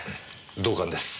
同感です。